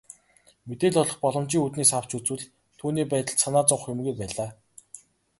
Мэдээлэл олох боломжийн үүднээс авч үзвэл түүний байдалд санаа зовох юмгүй байлаа.